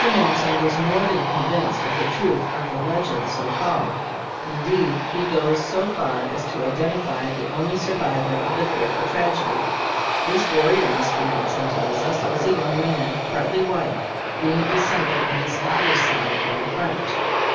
Matson was more than convinced of the truth of the legend, so called*. Indeed, he goes so far as to identify '' the only survivor of the fearful tragedy." This warrior, Mr. Matson tells us, was a young man, '' partly white, being a descendant on his father's side from the French.